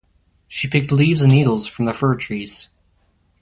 She picked leaves and needles from the fir-trees.